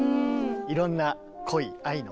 いろんな恋愛の。